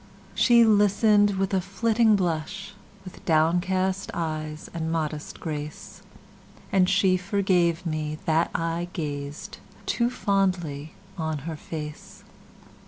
She listen'd with a flitting blush, With downcast eyes and modest grace; And she forgave me, that I gazedToo fondly on her face!